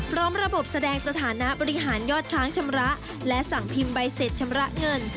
ระบบแสดงสถานะบริหารยอดค้างชำระและสั่งพิมพ์ใบเสร็จชำระเงิน